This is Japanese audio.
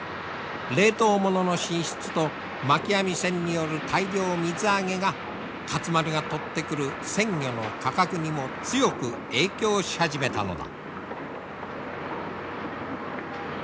冷凍物の進出とまき網船による大量水揚げが勝丸が取ってくる鮮魚の価格にも強く影響し始めたのだ。